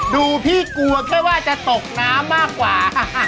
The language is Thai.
ดูพี่กลัวแค่ว่าจะตกน้ำมากกว่า